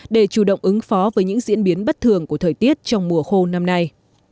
để chủ động ứng phó với những diễn biến bất thường của thời tiết trong mùa khô năm nay